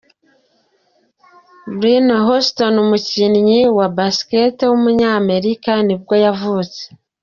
Byron Houston, umukinnyi wa basketball w’umunyamerika nibwo yavutse.